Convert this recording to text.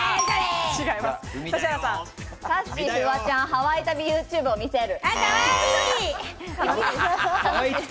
さっしー、フワちゃん、ハワイ旅ＹｏｕＴｕｂｅを見せる。